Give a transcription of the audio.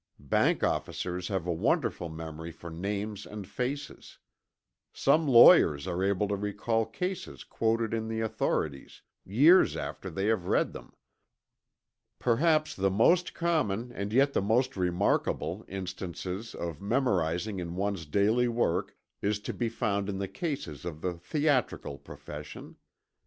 Bank officers have a wonderful memory for names and faces. Some lawyers are able to recall cases quoted in the authorities, years after they have read them. Perhaps the most common, and yet the most remarkable, instances of memorizing in one's daily work is to be found in the cases of the theatrical profession.